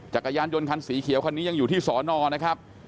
จักรยานยนต์คันสีเขียวคันนี้ยังอยู่ที่สอนอนะครับ